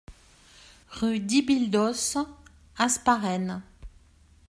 Rue Dibildos, Hasparren